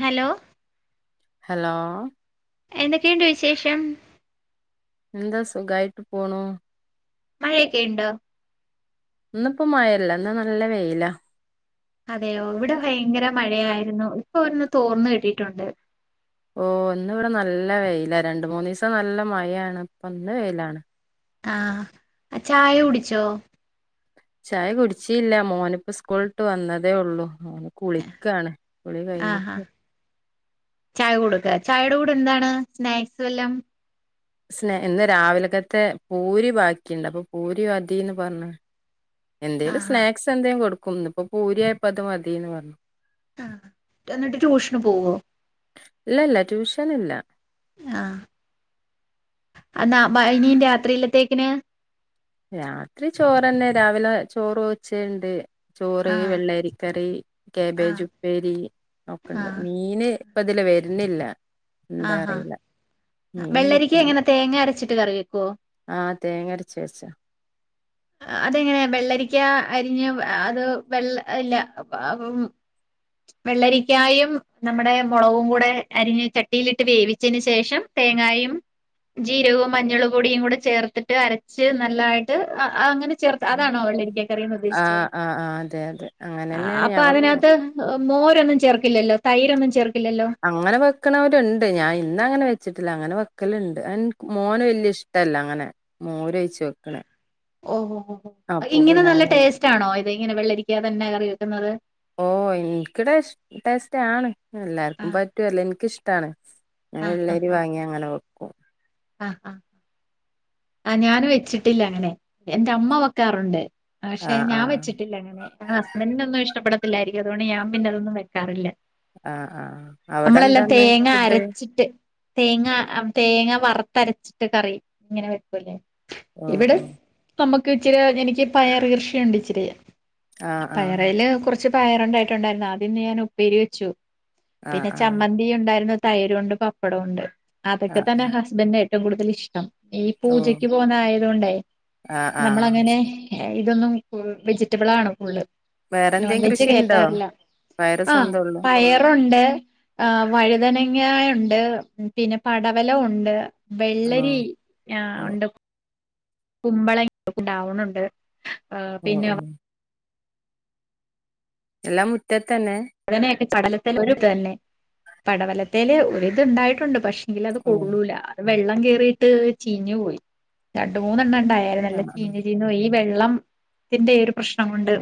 hello hello എന്തൊക്കെയുണ്ട് വിശേഷം എന്താ സുഖായിട്ട് പോണു മഴയൊക്കെ ഇണ്ടോ ഇന്നിപ്പോ മഴല്ല ഇന്ന് നല്ല വെയിലാ അതെയോ ഇവിടെ ഭയങ്കര മഴയായിരുന്നു ഇപ്പൊന്ന് തോർന്ന് കിട്ടിട്ടുണ്ട് ഓ ഇന്ന് ഇവിടെ നല്ല വെയിലാ രണ്ടുമൂന്നു ദിവസം നല്ല മഴയാണ് ഇപ്പം ന്ന് വെയിലാണ് ആഹ് ചായ കുടിച്ചോ ചായ കുടിച്ചീല്ല മോനിപ്പോ സ്കൂള് വിട്ട് വന്നതേ ഒള്ളൂ ഓന് കുളിക്കാണ് കുളി ആഹ് ആഹ് കഴിഞ്ഞിട്ട് ചായ കൊടുക്ക ചായയുടെ കൂടെ എന്താണ് സ്നാക്സ് വല്ലോം സ്നെ ഇന്ന് രാവിലക്കത്തെ പൂരി ബാക്കിണ്ട് അപ്പൊ പൂരി മതീന്ന് പറഞ്ഞ് എന്തേലും ആഹ് സ്നാക്സ് എന്തെങ്കി കൊടുക്കും ഇന്നിപ്പോ പൂരിയായപ്പോ അത് മതിന്ന് പറഞ്ഞു ആ എന്നിട്ട് ട്യൂഷന് പോവോ ഇല്ല ഇല്ല ട്യൂഷൻ ഇല്ല ആഹ് അന്നാ ഇനി രാത്രിയിലത്തേക്കിന് രാത്രി ചോറന്നെ രാവിലെ ചോറ് വച്ചെ ഉണ്ട് ചോറ് ആഹ് വെള്ളരിക്കറി ആഹ് കാബേജ് ഉപ്പേരി ഒക്കെണ്ട് ആഹ് മീന് ഇപ്പ തിലേ വര് നില്ല എന്താ അറീല്ല വെള്ളരിക്ക് എങ്ങനെ തേങ്ങ അരച്ചിട്ട് കറി വെ ക്കൊ ആഹ് തേങ്ങര ച്ച് വെച്ചാ അതെങ്ങനെ വെള്ളരിക്ക അരിഞ്ഞ് അത് വെള്ള ഇല്ല വെള്ളരിക്കായും നമ്മുടെ മുളകും കൂടെ അരിഞ്ഞ് ചട്ടിയിലിട്ട് വേവിച്ചതിന് ശേഷം തേങ്ങായും ജീരകവും മഞ്ഞൾ പൊടിയും കൂടെ ചേർത്തിട്ട് അരച്ച് നല്ലായിട്ട് അങ്ങനെ ചേർത്ത് അതാണോ വെള്ളരിക്ക കറിന്ന് ഉദ്ദേശിച്ചേ ആഹ് ആഹ് ആഹ് അതെ അതെ അങ്ങനെ തന്നെയാണ് അപ്പ ഞാൻ വെക്ക അതിനകത്ത് മോരൊന്നും ചേർക്കില്ലല്ലോ തൈരൊന്നും ചേർ അങ്ങനെ വെക്കണവരുണ്ട് ഞാൻ ഇന്ന് അങ്ങനെ വെച്ചിട്ടില്ല അങ്ങനെ വെ ക്കലുണ്ട് മോന് വല്യ ഇഷ്ടല്ല അങ്ങനെ മോരൊഴിച്ചു വെക്ക്ണ ഓഹോ അപ്പോ പിന്നങ്ങനെ ച്ച് ഇങ്ങനെ വെള്ളരിക്ക തന്നെ കറി വെക്കുന്നത് ഓ എനിക്ക്ടെ ടേസ്റ്റ് ആണ് എല്ലാർക്കും ആഹ് പറ്റുവല്ലോ എനിക്കിഷ്ടാണ് ആഹ് ആഹ് വെള്ളരി ആഹ് വാങ്ങിയാ അങ്ങനെ വെ ക്കും ആഹ് അഹ് ഞാന് വെച്ചിട്ടില്ല അങ്ങനെ എന്റെ അമ്മ വെക്കാറുണ്ട് പക്ഷെ ആഹ് ഞാൻ ആഹ് വെച്ചിട്ടില്ല അങ്ങനെ ഹസ്ബന്റിനൊന്നും ഇഷ്ടപ്പെട ത്തില്ലായിരിക്കും അതുകൊണ്ട് ഞാൻ പിന്നെ അതൊന്നും വെക്കാറില്ല ആഹ് ആഹ് അവിടെ എന്താ നമ്മളെല്ലാം ന്ന് തേങ്ങ ഫുഡ് അരച്ചിട്ട് തേങ്ങ തേങ്ങ വറ ത്തരച്ചിട്ട് കറി ഇങ്ങനെ വെക്കൂലേ ഓ ഇവിടെ ഓ നമ്മ ഇച്ചിരി എനിക്ക് പയർ കൃഷിയുണ്ട് ഇച്ചിരി ആ ആഹ് ആഹ് പയറേല് കുറ റച്ച് പയറുണ്ടായിട്ടുണ്ടായിരുന്നു അതീന്ന് ഞാൻ ഉപ്പേരി വച്ചു ആഹ് പിന്നെ ആഹ് ചമ്മന്തി ഉണ്ടായിരുന്നു തൈരുവുണ്ട് പപ്പടവുണ്ട് അതൊക്കെ ആഹ് തന്നെ ഹസ് ഏറ്റവും കൂടുതൽ ഇഷ്ടം ഈ ഓ പൂജക്ക് പോവുന്ന ആയത് കൊണ്ടേ ആഹ് നമ്മള് ആഹ് അങ്ങനെ ഇതൊന്നും വെജിറ്റബിളാണ് ഫുള്ള് വേറെന്തേം നോൺവെജ് കൃഷിണ്ടോ കേറ്റാറില്ല പയറ് ആ സ്വന്തള്ളൂ പയറുണ്ട് ആ വഴുതനങ്ങാ ഉണ്ട് പിന്നെ പടവലം ഉണ്ട് ഓ വെള്ളരി ആ ഓ ഉണ്ട് കുമ്പളങ്ങ ഉണ്ടാവുണുണ്ട് ആ ഓ പിന്നെ ഓ അവ എല്ലാം മുറ്റ തന്നെ പടലത്തേൽ തന്നെ പടവലത്തേല് ഒരിത് ഉണ്ടായിട്ടുണ്ട് പക്ഷെ എങ്കിൽ അത് ഓ കൊള്ളൂല വെള്ളം കേറിയിട്ട് ചീഞ്ഞു പോയി രണ്ടു മൂന്നെണ്ണം ഉണ്ടാരുന്നു എല്ലാം ആഹ് ആഹ് ചീഞ്ഞ് ചീഞ്ഞ് പോയി വെള്ളംത്തിന്റെ ഈ ഒരു പ്രശ്നം കൊണ്ട്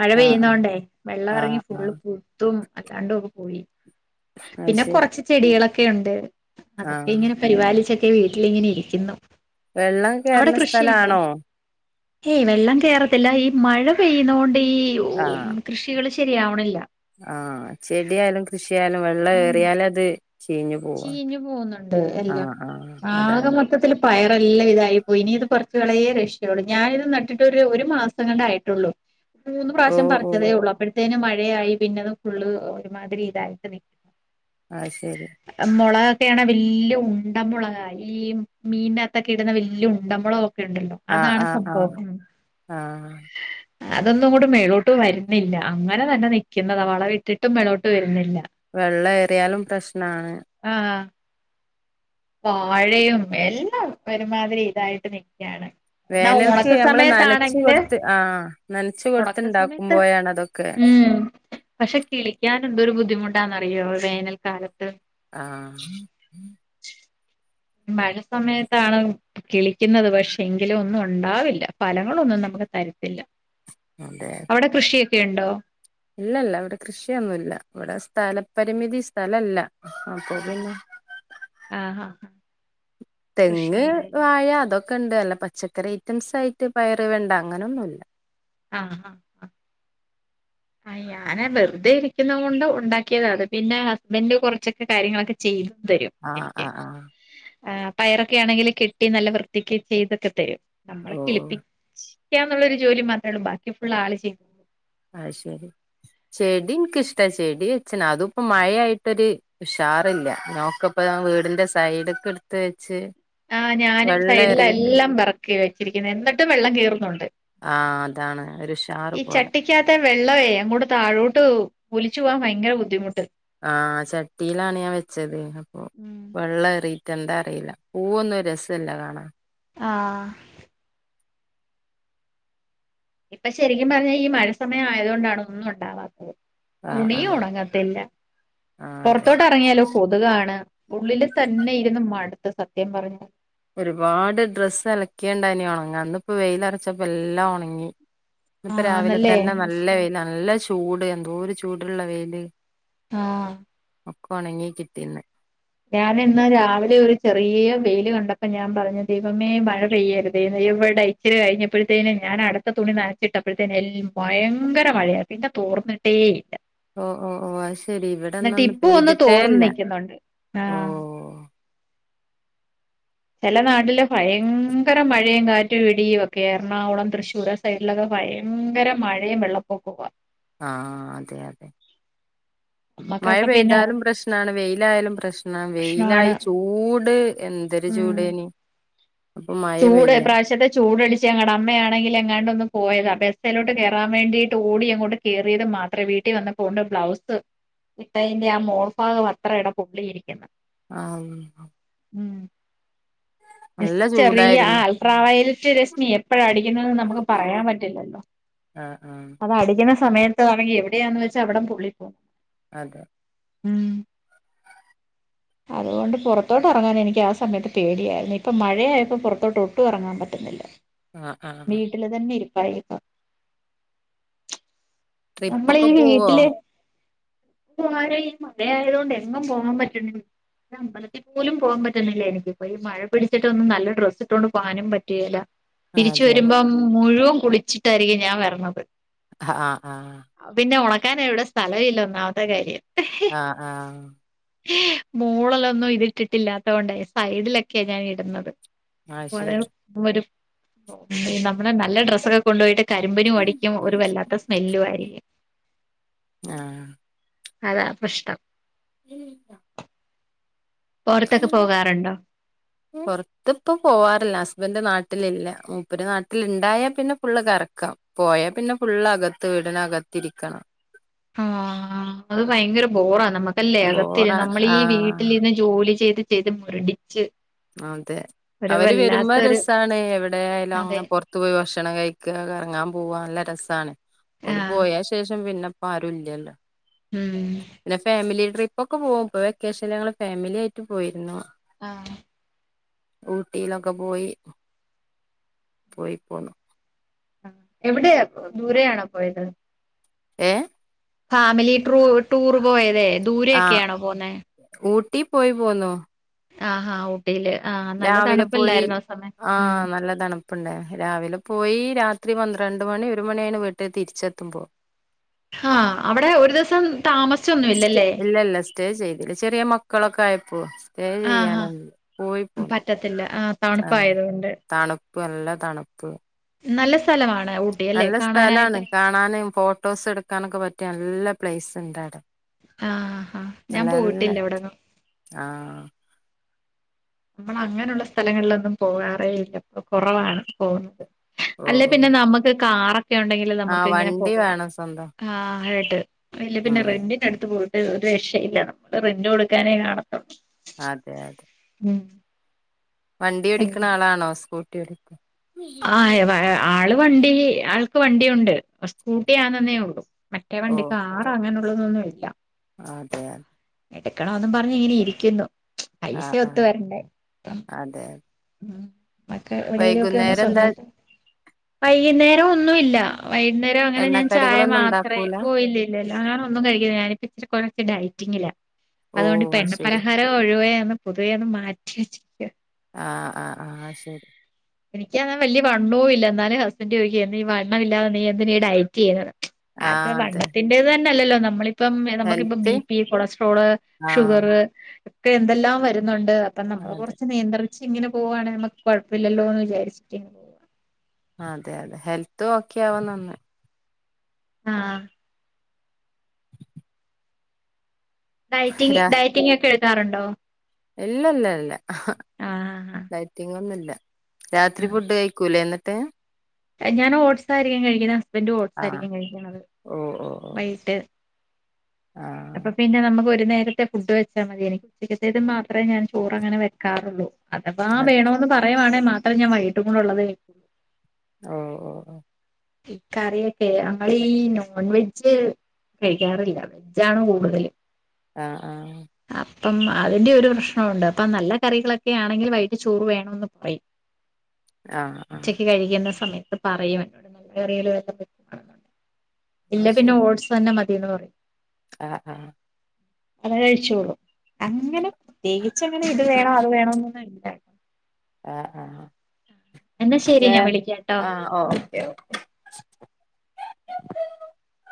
മഴ ആഹ് പെയ്യുന്ന കൊണ്ടേ വെള്ളം ആഹ് ഇറങ്ങി ആഹ് ഫുള്ള് ആഹ് കുത്തും അല്ലാണ്ടും കുഴി അത് പിന്നെ ശരി കൊറച്ച് ചെടികളൊ ക്കെയുണ്ട് അതൊക്കെ ആഹ് ഇങ്ങനെ പരിപാലിച്ച് ഈ വീട്ടിലിങ്ങനെ ഇരിക്കുന്നു വെള്ളം അവിടെ കയറുന്ന കൃഷിയുണ്ടോ സ്ഥലാണോ ഏയ് വെള്ളം കേറത്തില്ല ഈ മഴ പെയ്യുന്ന കൊണ്ട് ഇവിടെ ഈ ഊ ആഹ് കൃഷികള് ചെ ആവണില്ല ആഹ് ചെടിയായാലും കൃഷി യാലും വെള്ളം ഉം ഏറിയാലത് ചീഞ്ഞു പോകുന്നുണ്ട് എല്ലാം ആഹ് ആഹ് ആകെ അതാണ് മൊത്തത്തില് പയം ല്ലാം ഇതായിപ്പോയി ഇനി ഇത് പുറത്ത് കളയേ രഷയൊള്ളൂ ഞാന് ഇത് നട്ടിട്ട് ഒരു മാസം എങ്ങാണ്ടായിട്ടുള്ളു മൂന്ന് ഓ പ്രാവശ്യം ഓ പറിച്ചതേ ഉള്ളൂ അപ്പഴ് ഏന് മഴയായി പിന്നത് ഫുള്ള് ഒരുമാതിരി ഇതായിട്ട് നിൽക്കുന്നു ആഹ് ശരി മൊളകൊക്കെയാണേ വല്യ ഉണ്ട മൊളകാ ഈ മീനകത്തൊക്കെ ഇടുന്ന വല്യ ഉണ്ട മൊളകൊക്കെ ഉണ്ടല്ലോ ആഹ് അതാണ് ആഹ് സംഭവം ആഹ് ഉം ആഹ് അതൊന്നും ഇങ്ങട്ട് മേളോട്ട് വരുന്നില്ല അങ്ങനെ തന്നെ നിക്കുന്നതാ വളവിട്ടിട്ടും മേളോട്ട് വരുന്നില്ല വെള്ളം ഏറിയാലും പ്രശ്ന ആഹ് വാഴയും എല്ലാം ഒരുമാതിരി ഇതായിട്ട് നിക് എന്നാ വേനൽക്ക് ഒണക്ക് നമ്മള് നനച്ചു സമയത്താണെങ്കില് കൊടുത്ത് ആഹ് നനച്ചു ഒണക്ക് സമയത്ത് കൊടുത്തുണ്ടാക്കുമ്പോഴാണ് അതൊക്കെ ഉം പക്ഷെ കിളിക്കാൻ എന്തോരു ബുദ്ധിമുട്ട് എന്താന്നറിയോ വേനൽക്കാലം ആഹ് മഴ സമയത്താണ് കിളിക്കുന്നത് പക്ഷെ എങ്കിലും ഒന്നും ഉണ്ടാവില്ല ഫലങ്ങളൊന്നും നമുക്ക് തരത്തില്ല അതെ അതെ അവിടെ കൃഷിയൊക്കെ ഉണ്ടോ ഇല്ലല്ല ഇവിടെ കൃഷിയൊന്നുമല്ല ഇവിടെ സ്ഥലപരിമിതി സ്ഥലല്ല അപ്പൊ ആഹ് പിന്നെ ആഹാ ആഹ് തെങ്ങ് കൃഷിയൊന്നുമില്ല വാഴ അതൊക്കെ അതൊക്കെ ഉണ്ട് അല്ല പച്ചക്കറി ഐറ്റംസ് ആയിട്ട് പയറ് വേണ്ട അങ്ങനെയൊന്നുമില്ല ആഹ് ആഹ് ആഹ ആ ഞാന് വെറുതെ ഇരിക്കുന്ന കൊണ്ട് ഉണ്ടാക്കിയത അത് പിന്നെ ഹസ്ബൻഡ് കുറച്ചൊക്കെ കാര്യങ്ങളൊക്കെ ചെയ്തു തരും ആഹ് എനിക്ക് ആഹ് ആഹ് അഹ് പയറൊക്കെ ആണെങ്കിൽ കെട്ടി നല്ല വൃത്തിക്കു ചെയ്തൊക്കെ തരും ഓ നമ്മളെ ഓ കിളിപ്പി [unintelligible] ജോലി മാത്രേള്ളൂ ബാക്കി ഫുള്ള് ആള് ചെയ്യൂ ആഹ് ശെരി ചെടി എനിക്കിഷ്ടാ ചെടി വെച്ചന അത് ഇപ്പോ മഴയായിട്ടൊരു ഉഷാറില്ല നോക്കപ്പ വീടിന്റെ സൈടിക്ക് എടുത്ത് വെച്ച് ആഹ് ഞാനും വെള്ളം ഏറിയിട്ട് സൈഡിലെല്ലാം പിറക്കി വെച്ചു ഇരികുന്നെ എന്നിട്ടും വെള്ളം കയറുന്നുണ്ട് ആ അതാണ് ഒരു ഉഷാറു പോലെ വെള്ളവെ അങ്ങോട്ട് താഴോട്ട് ഒലിച്ചു പോകാൻ ഭയങ്കര ബുദ്ധിമുട്ട് ആ ചട്ടിലാണ് ഞാൻ വെച്ചത് അപ്പൊ ഉം വെള്ളം എറി എന്താന്ന് അറിയില്ല പൂവൊന്നും രസല്ല കാണാ ആ ഇപ്പൊ ശരിക്കും പറഞ്ഞാ ഈ മഴ സമയം ആയത് കൊണ്ടാണ് ഒന്നും ഉണ്ടാവാത്തത് ആ ആ തുണിയും ഉണങ്ങത്തില്ല ആ അതെ പുറത്തോട്ട് ഇറങ്ങിയാലോ കൊതുകാണ് ഉള്ളില് തന്നെ ഇരുന്നു മടുത്ത് സത്യം പറഞ്ഞ ഒരുപാട് ഡ്രസ്സ് അലക്കിയേണ്ടായിനി ഉണങ്ങ അന്നപ്പോ വെയിലരച്ചപ്പോ എല്ലാം ഉണങ്ങി ഇപ്പ രാവിലെ ആന്നല്ലേ തന്നെ നല്ല അശ്ശോ വെയിൽ നല്ല ചൂ ചൂട് എന്തോ ചൂടുള്ള വെയില് ആ ഒക്കെ ഒണങ്ങീ കിട്ടീന്ന് ഞാൻ ഇന്ന് രാവിലെ ഒരു ചെറിയ വെയില് കണ്ടപ്പം ഞാൻ പറഞ്ഞു ദൈവമേ മഴ പെയ്യരുതെ എവിടെ ഇച്ചിരി കഴിഞ്ഞപ്പോഴത്തേനും ഞാൻ അടുത്ത തുണി നനച്ചിട്ടപ്പോഴത്തേനെ ഭയങ്കര മഴയായി പിന്നെ തോർന്നിട്ടേ ഇല്ല ഓ ഓ ഓ അത് ശെരി ഇവിടെന്ന എന്നിട്ട് ഒന്ന് ഇപ്പൊ പെയ്തിട്ടേ തോർന്ന് അല്ല നിക്കുന്നുണ്ട് ഓ ആഹ് ചില നാട്ടില് ഭയങ്കര മഴയും കാറ്റുഇടിയും ഒക്കെ എറണാകുളം തൃശ്ശൂർ ആ സൈഡിലൊക്കെ ഭയങ്കര മഴയും വെള്ളപ്പൊക്കം ആ ആ അതെ അതെ മഴ നമ്മക്കൊക്കെ പിന്നെ ആ പെയ്താലും പ്രശ്നമാണ് വെയിലായാലും പ്രശ്നമാണ് വെയിലായി പ്രശ്നമാണ് ചൂട് എന്തൊരു ഉം ചൂടേനി അപ്പൊ മഴ ചൂട് ഈ പെയ്യ പ്രാവശ്യത്തെ ചൂട് എടി ഞങ്ങളുടെ അമ്മയാണെങ്കിൽ എങ്ങാണ്ടൊന്ന് പോയതാ ബസ്സിലോട്ട് കേയറാൻ വേണ്ടിട്ട് ഓടി എങ്ങോട്ട് കേയറിയത് മാത്രേ വീട്ടിൽ വന്ന കൊണ്ട് ബ്ലൗസ് ഇട്ടന്റെ ആ മോർഭാഗം അത്ര ഇടം പൊട്ടിയിരിക്കുന്നു ആ ഉം യെസ് ചെറിയ ചൂടായിരുന്നു അൾട്രാവയലറ്റ് രശ്മി എപ്പോഴാ അടിക്കുന്നതെന്ന് നമുക്ക് പറയാൻ പറ്റില്ലല്ലോ ആഹ് ആഹ് അതടിക്കുന്ന സ സമയത്ത്ആണെങ്കി എവിടെയാണന്ന് വച്ചാ അവിടം പൊള്ളി പോകും അതെ ഉം അതുകൊണ്ട് പുറത്തോട്ട് ഇറങ്ങാൻ എനിക്ക് ആ സമയത്ത് പേടിയായിരുന്നു ഇപ്പം മഴയായപൊ അപ്പം പുറത്തോട്ട് ഒട്ടും ഇറങ്ങാൻ പറ്റുന്നില്ല ആഹ് ആഹ് വീട്ടില് തന്നെ ഇരിപ്പ് പയേക നമ്മള് ട്രിപ്പൊക്കെ ഈ പോവോ വീട്ടില് ഈ മഴആയത് കൊണ്ട് എങ്ങും പോകാൻ പറ്റണില്ല അമ്പലത്തിൽ പോലും പോവാൻ പറ്റ്ന്നില്ല എനിക്കിപ്പ ഈ മഴ പിടിച്ചിട്ടൊന്നും നല്ല ഡ്രസ്സ് ഇട്ടൊണ്ട് പോനും പറ്റുകേല പിരിച് അതെ വരുമ്പം മുഴുവ കുളിച്ചിട്ടായിരിക്കും ഞാൻ വരണത് അ ആ പിന്നെ ഉണക് ക്കാനെ എവിടെ സ്ഥലം ഇല്ല ഒന്നാവാത്തെ കാര്യം ആ ആഹ് മോളല്ലൊന്നും ഇതിട്ടിട്ടില്ലാത്ത കൊണ്ടായി സൈഡിലൊക്കെയാ ഞാൻ ഇടുന്നത് അത് ശരി [unintelligible] ഒരു [unintelligible] നമ്മളെ നല്ല ഡ്ര സ്ക്കെ കൊണ്ടോയിട്ട് കരിമ്പിനുവടിക്കും ഒരു വല്ലാത്ത സ് [unintelligible] അതാ പ്രശ്നം [unintelligible] പൊറത്തൊക്കെ പോകാറുണ്ടോ പുറത്തിപ്പ പോവാറില്ല ഹസ്ബൻഡ് നാ ട്ടിലില്ല മൂപ്പര് നാട്ടിലിണ്ടായ പിന്നെ ഫുള്ള് കറക്കാം പോയാ പിന്നെ ഫുള്ളകത്ത് വീടിനകത്തിരിക്കണം ആഹ അത് ഭയങ്കര ബോറാ നമ്മുക്കല്ലേ അകത്തി ബോറാണ് നമ്മൾ ഈ ആഹ് വീട്ടിലിന്ന് ജോലി ചെയ്തി ചെയ്ത് മുരടിച് അതെ അവര് വരുമ്പോ രസാണ് എവിടെ ആയാലും അതെ അ പൊറത്തു പോയി ഭക്ഷണം കഴിക്ക കങ്ങാൻ പോവാ നല്ല രസാണ് ഒരു ആഹ് പോയ ശേഷം പിന്നെ ആരൂല്ലല്ലോ ഉം ട്രിപ്പ് ഒക്കെ പോകും ഇപ്പോ വെക്കേഷനയുള്ള ടൈംമില്ല് ഏറ്റു പോയിരുന്നു ആഹ് ഊട്ടിലൊക്കെ പോയി പോയി പോണം ആ എവിടെയാ ദൂര ആണോ പോയത് ഏ ഫാമിലി ട്രൂ ടൂർ പോയതെ ദൂരെയൊക്കെയാണോ പോന്നേ എട്ടി പോയി പോന്നൊ ആഹ് ആ ഓ ഊട്ടിയില് നല്ല രാവിലെ പോയി തണുപ്പല്ലായിരുന്നോ ആ ഉം നല്ല തണുപ്പുണ്ട് രാവിലെ പോയി രാത്രി പന്ത്രണ്ട് മണി ഒരു മണിയാണ് വീട്ടി തിരിച്ചെത്തുമ്പോ ആ അവിടെ ഒരു ദിവസം താമസിച്ചൊന്നും സ്റ്റെ ഇല്ലല്ലേ ഇല്ല ഇല്ല സ്റ്റേ ചെയ്തില്ല ചെറിയ മ ക്കളൊക്കയപ്പോ സ്റ്റേ ആഹ് ആഹ് ചെയ്യാനോന്നും സ്കൂളിൽ പോണം പറ്റത്തില്ല ആഹ് ആ തണുപ്പായതുകൊണ്ട് തണുപ്പ് നല്ല തണുപ്പ് നല്ല സ്ഥലമാണ് ഊട്ടി അല്ലേ നല്ല സ്ഥലാണ് കാണാനായിട്ട് കാണാനും ഫോട്ടോസ് എടുക്കാനൊക്കെ പറ്റിയ നല്ല- പ്ലേസ് ഉണ്ടാവ്ടെ- ആഹ് ആ ഞാൻ പോയിട്ടില്ല ഇവിടൊന്നും ആഹ് നമ്മൾ അങ്ങനുള്ള സ്ഥലങ്ങളിലൊന്നും പോകാറേ ഇല്ല കുറവാണ് പോകുന്നത് അല്ല ഓഹ് പിന്നെ ഓഹ് നമുക്ക് കാറൊ ക്കെ ഉണ്ടെങ്കിൽ നമുക്ക് ആഹ് ഇങ്ങനെ വണ്ടി പോവാൻ വേണം സ്വന്തം ആ [unintelligible] അല്ല പിന്നെ ഉം റന്റിന് എടുത്ത് പോയി രക്ഷയില്ല നമ്മള് റെന്റ് കൊടുക്കാനേ കാണത്തുള്ളൂ അതെ അതെ ഉം വണ്ടി ഓടിക്കുന്ന ആളാണോ സ്കൂൾ ണ്ടി ഓടിക്കും ആ ആള് വണ്ടി ആൾക്ക് വണ്ടി ഉണ്ട് സ്കൂട്ടി ആന്നെന്നേ ഉള്ളു മറ്റേ വണ്ടി ഓഹ് കാറ് അങ്ങനെ അതൊന്നുംല്ല അതെ അതെ എടുക്കണമെന്നും പറഞ്ഞഞ് ഇങ്ങനെ ഇരിക്കുന്നു പൈസ ആഹ് ഒത്തു ആഹ് വരണ്ടേ അതെ ഉം മക്ക് എവിടെയിലുമൊക്കെ ഒന്ന് വൈകുന്നേരം എന്താ സ്വന്തായിട്ട് വൈകുന്നേരം ഒന്നുമില്ല വൈകുന്നേരം അങ്ങനെ ഞാൻ ചായ എണ്ണക്കടികളൊന്നും മാത്രമേ ഉണ്ടാക്കൂല പോയില്ലല്ലോ വൈന്നേരം ഒന്നും കഴിക്കില്ല ഞാനിപ്പ ഇച്ചിരി കുറച്ച് ഡയറ്റിങ്ങില ഓ അത് അതുകൊണ്ടിപ്പെണ്ണ ശരി പലഹാരം ഒഴുവേ പൊതുവേന്ന് മാറ്റി വച്ചിരിക്ക ആഹ് ആ ആഹ് ശരി എനക്കങ്ങനെ വലിയ വണ്ണവും ഇല്ല എന്നാലും ഹസ്ബൻഡ് ചോദിക്ക ഈ വണ്ണമില്ലാതെ നീ എന്തിനീ ഡയറ്റ് ചെയ്യുന്നത് അത് ആഹ് അതെ വണ്ണത്തിന്റെത് തന്നെല്ലല്ലോ നമ്മളി ഇപ്പം നമുക്കിപ്പം ഹെൽത്ത് ബി പി കൊളസ്ട്രോള് ആഹ് ഷുഗറ് ഒക്കെ എന്തെല്ലാം വരുന്നുണ്ട് അപ്പം നമ്മള് അതെ കുറച്ച് നിയന്ത്രിച് ഇങ്ങനെ പോവാണ് നമക്ക് കുഴപ്പില്ലല്ലോ എന്ന് വിചാരിച്ചിട്ട് അതെ അതെ ഹെൽത്ത് ഒക്കെയവാൻ നന്ന് ആ ഡയ്റ്റിങ് ഡയറ്റിങ് ഒക്കെ ക്കാറുണ്ടോ ഇല്ലല്ലല്ല ആഹ് ഡെയ്റ്റിങ്ങൊന്നുമല്ല രാത്രി ഫുഡ് കഴിക്കൂലേ എന്നി ത്തെ യെങ്ങാനും ഓട്സായിരിക്കും കഴിക്കുന്നത് ഹസ്ബന്റ് ഓഡ്സ് ആഹ് ആയിരിക്കും കഴിക്കണത് ഓ ഓ ഓ വൈകിട്ട് ആഹ് അപ്പൊ പിന്നെ നമുക്ക് ഒരു നേരത്തെ ഫുഡ് വെച്ചാൽ മതി എനിക്ക് ഉച്ചക്കത്തേത് മാത്രമേ ഞാൻ ചോറ് അങ്ങനെ വെക്കാറുള്ളൂ അഥവാ അത് വേണോന്ന് പറയനങ്ങിൽ മാ മാത്രം ഞാൻ വെയ്കീട്ടുള്ളത് എനിക്ക് ഓ ഓ ഓ ഈ കറിയൊക്കെ നങ്ങളി ഈ നോൺ വെജ് കഴിക്കാറില്ല വെജണ് കൂടുതല് ആ ആ അപ്പം അതിന്റെ ഒരു പ്രശ്നംണ്ട് അപ്പ നല്ല കറികളൊക്കെ ആണെങ്കിൽ വൈകട്ടി ചോറ് വേണന്ന് പറയും ആഹ് ആഹ് ഉച്ചക്ക് കഴിക്കുന്ന സമയം അപ്പ പറയയും [unintelligible] ഇല്ല പിന്നെ ഓഡ്സ് തന്നെ മതി [unintelligible] ആ ആ അതെ കഴിച്ചോളൂ അങ്ങനെ പ്രത്യേകിച്ച് അങ്ങനെ ഇത് വേണോ അത് വേണോന്നൊന്നും ഇല്ല ആ ആആ എന്നാ ശെരി ഞാൻ വിളിക്കാംട്ടോ ഓക്കെ ഓക്കെ